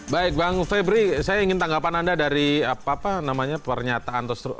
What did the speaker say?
baik bang febri saya ingin tanggapan anda dari apa namanya pernyataan